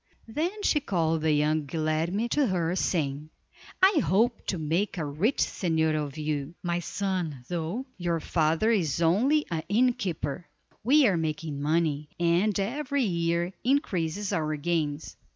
Then she called the young Guilerme to her, saying: "I hope to make a rich señor of you, my son, though your father is only an innkeeper. We are making money, and every year increases our gains.